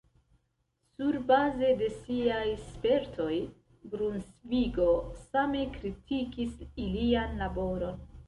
Surbaze de siaj spertoj, Brunsvigo same kritikis ilian laboron.